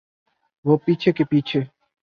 وہ پیچھے کے پیچھے۔